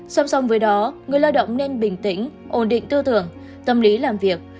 xong xong với đó người lao động nên bình tĩnh ổn định tư tưởng tâm lý làm việc